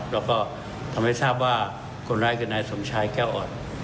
แล้วก็ทำให้ทราบว่าคนร้ายคือนายสมชายแก้วอ่อน